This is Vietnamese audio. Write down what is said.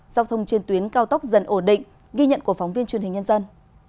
giao thông trên tuyến cao tốc dần ổn định ghi nhận của phóng viên truyền hình nhân dân